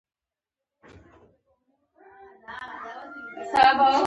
آیا او د خپلو خلکو د سوکالۍ لپاره نه ده؟